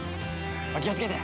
お気をつけて！